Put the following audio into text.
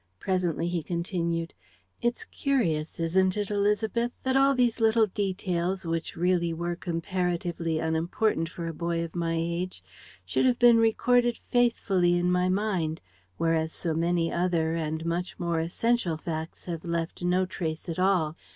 Presently he continued: "It's curious, isn't it, Élisabeth, that all these little details, which really were comparatively unimportant for a boy of my age, should have been recorded faithfully in my mind, whereas so many other and much more essential facts have left no trace at all.